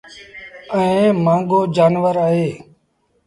ائيٚݩ مهآݩگو جآݩور اهي